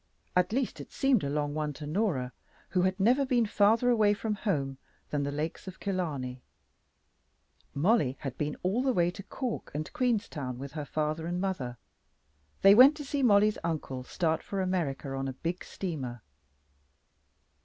At least it seemed a long one to Norah, who had never been farther away from home than the Lakes of Killarney. Mollie had been all the way to Cork and Queenstown with her father and mother. They went to see Mollie's uncle start for America on a big steamer.